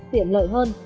tiện lợi hơn